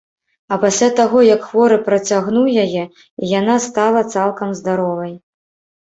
А пасля таго, як хворы працягнуў яе, і яна стала цалкам здаровай.